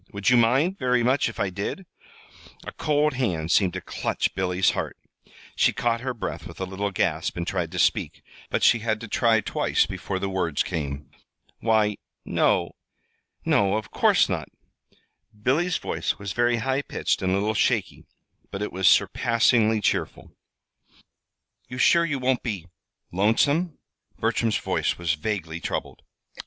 Would you mind very much if I did?" A cold hand seemed to clutch Billy's heart. She caught her breath with a little gasp and tried to speak; but she had to try twice before the words came. "Why, no no, of course not!" Billy's voice was very high pitched and a little shaky, but it was surpassingly cheerful. "You sure you won't be lonesome?" Bertram's voice was vaguely troubled.